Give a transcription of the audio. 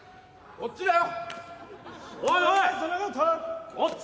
こっちだよ！